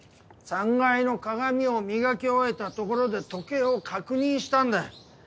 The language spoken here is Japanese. ３階の鏡を磨き終えたところで時計を確認したんだ。